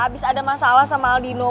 habis ada masalah sama aldino